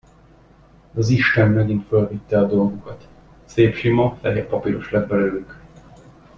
De az isten megint fölvitte a dolgukat: szép sima, fehér papiros lett belőlük.